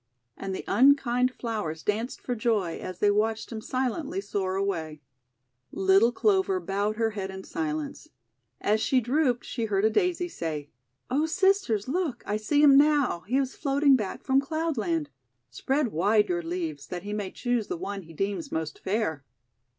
'3 And the unkind flowers danced for joy, as they watched him silently soar away. Little Clover bowed her head in silence. As she drooped, she heard a Daisy say: — :'O sisters, look, I see him now! He is float ing back from Cloudland. Spread wide your leaves, that he may choose the one he deems most fair."